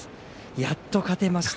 やっと勝てました。